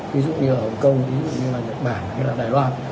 ví dụ như ở hồng kông nhật bản hay là đài loan